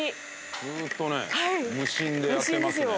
ずーっとね無心でやってますね。